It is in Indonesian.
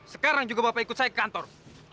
sekarang juga bapak ikut saya ke kantor